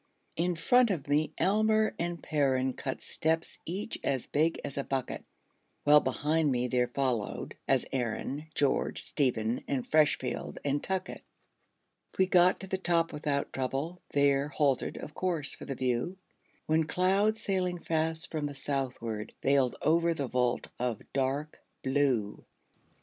In front of me Almer and Perren Cut steps, each as big as a bucket; While behind me there followed, as Herren, George, Stephen, and Freshfield, and Tuckett. We got to the top without trouble; There halted, of course, for the view; When clouds, sailing fast from the southward, Veiled over the vault of dark blue.